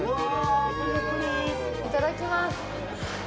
いただきます。